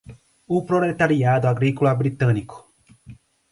O proletariado agrícola britânico